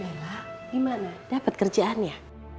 bella gimana dapat kerjaannya